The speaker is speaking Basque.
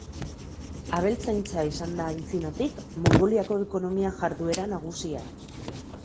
Abeltzaintza izan da antzinatik Mongoliako ekonomia jarduera nagusia.